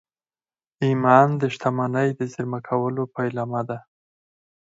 ایمان د شتمنۍ د زېرمه کولو پیلامه ده